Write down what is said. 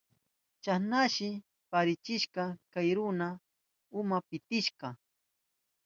Chasnashi parisichirka chay runata uma pitika.